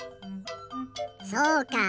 そうか。